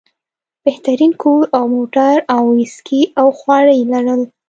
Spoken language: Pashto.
بهترین کور او موټر او ویسکي او خواړه یې لرل.